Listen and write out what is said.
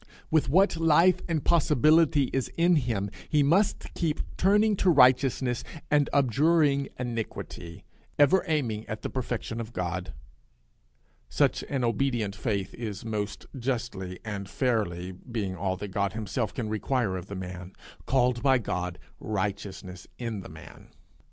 With what life and possibility is in him, he must keep turning to righteousness and abjuring iniquity, ever aiming at the perfection of God. Such an obedient faith is most justly and fairly, being all that God himself can require of the man, called by God righteousness in the man.